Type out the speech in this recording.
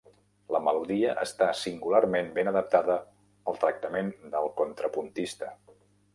La melodia està singularment ben adaptada al tractament del contrapuntista.